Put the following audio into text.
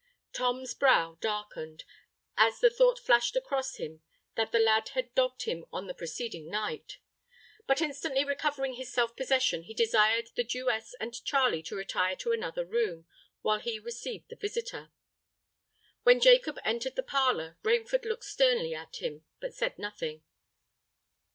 Tom's brow darkened—as the thought flashed across him that the lad had dogged him on the preceding night. But instantly recovering his self possession, he desired the Jewess and Charley to retire to another room, while he received the visitor. When Jacob entered the parlour, Rainford looked sternly at him, but said nothing.